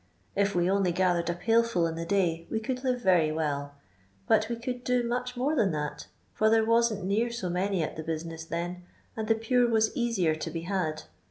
If wc only gathered a pail full in the day, we could live very well ; but we could do much more than that, for there wasn't near so many at the business then, and the Pure was eaaier to be had.